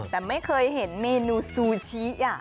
แต่ไม่เคยเห็นเมนูซูชิ